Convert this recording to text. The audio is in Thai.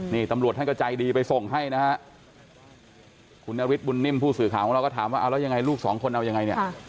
นี่ตำรวจท่านก็ใจดีไปส่งให้นะฮะคุณนฤทธบุญนิ่มผู้สื่อข่าวของเราก็ถามว่าเอาแล้วยังไงลูกสองคนเอายังไงเนี่ย